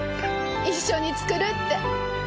一緒に作るって。